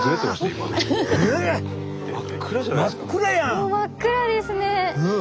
もう真っ暗ですね。